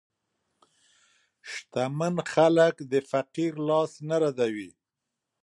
شتمن خلک د فقیر لاس نه ردوي.